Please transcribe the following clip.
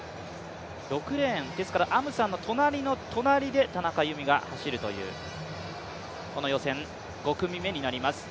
６レーン、アムサンの隣の隣で田中佑美が走るという予選５組目になります。